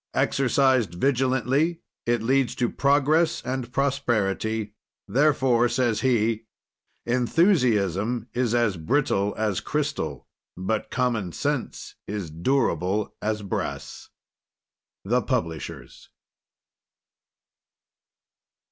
Exercised vigilantly, it leads to progress and prosperity, therefore, says he "enthusiasm is as brittle as crystal, but common sense is durable as brass." THE PUBLISHERS.